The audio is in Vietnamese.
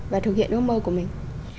và thực hiện ước mơ của mình